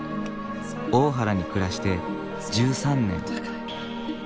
大原に暮らして１３年。